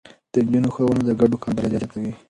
د نجونو ښوونه د ګډو کارونو بريا زياتوي.